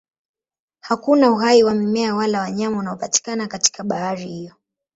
Hakuna uhai wa mimea wala wanyama unaopatikana katika bahari hiyo.